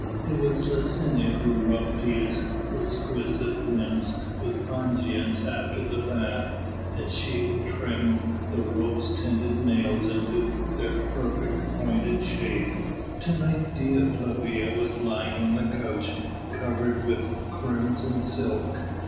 It was Licinia who rubbed Dea's exquisite limbs with unguents after the bath, and she who trimmed the rose tinted nails into their perfect, pointed shape. To night Dea Flavia was lying on a couch covered with crimson silk.